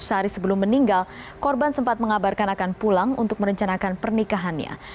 sehari sebelum meninggal korban sempat mengabarkan akan pulang untuk merencanakan pernikahannya